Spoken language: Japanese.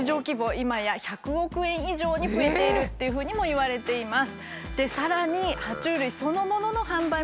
今や１００億円以上に増えているっていうふうにもいわれています。